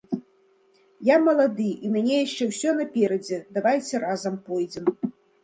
Я малады, і ў мяне яшчэ ўсё наперадзе, давайце разам пойдзем.